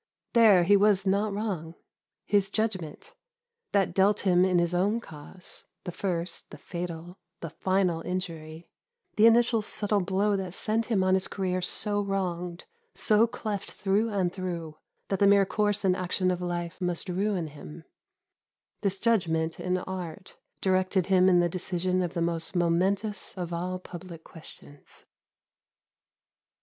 There he was not wrong; his judgement, that dealt him, in his own cause, the first, the fatal, the final injury the initial subtle blow that sent him on his career so wronged, so cleft through and through, that the mere course and action of life must ruin him this judgement, in art, directed him in the decision of the most momentous of all public questions.